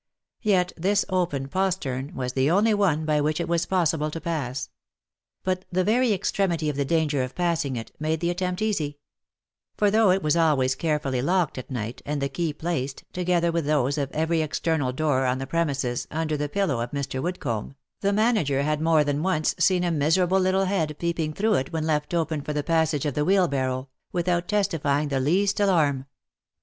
Yet this open postern was the only one by which it was possible to pass ; but the very extremity of the danger of passing it, made the attempt easy ; for though it was always carefully locked at night, and the key placed, together with those of every external door on the pre mises, under the pillow of Mr. Woodcomb, the manager had more than once seen a miserable little head peeping through it when left open for the passage of the wheelbarrow, without testifying the least alarm.